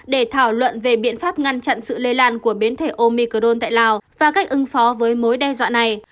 để thảo luận về biện pháp ngăn chặn sự lây lan của biến thể omicron tại lào và cách ứng phó với mối đe dọa này